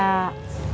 ada perlu apa